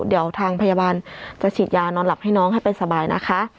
เดี๋ยวทางพยาบาลจะฉีดยานอนหลับให้น้องให้ไปสบายนะคะ